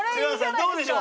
どうでしょう？